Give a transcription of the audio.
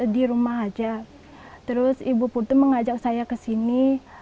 di rumah aja terus ibu putu mengajak saya ke sini